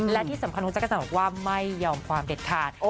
และที่สำคัญคุณจักรจันทร์บอกว่าไม่ยอมความเด็ดขาด